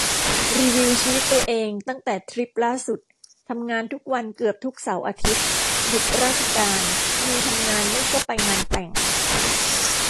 รีวิวชีวิตตัวเองตั้งแต่ทริปล่าสุด ทำงานทุกวัน เกือบทุกเสาร์อาทิตย์หยุดราชการ มีทำงานไม่ก็ไปงานแต่ง